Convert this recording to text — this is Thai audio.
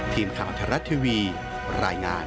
ทีมข่าวอัตรรัสทีวีรายงาน